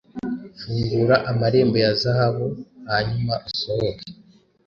Fungura amarembo ya zahabu, hanyuma usohoke;